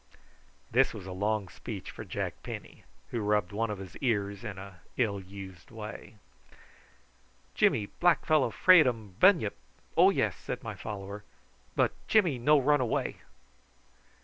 This was a long speech for Jack Penny, who rubbed one of his ears in an ill used way. "Jimmy, black fellow 'fraid um bunyip; oh, yes!" said my follower; "but Jimmy no run away."